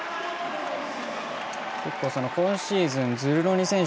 今シーズン、ズルロニ選手